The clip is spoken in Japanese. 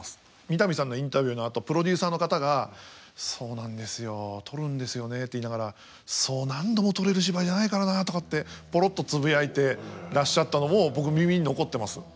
三谷さんのインタビューのあとプロデューサーの方が「そうなんですよ撮るんですよね」って言いながら「そう何度も撮れる芝居じゃないからなあ」とかってポロっとつぶやいてらっしゃったのも僕耳に残ってます。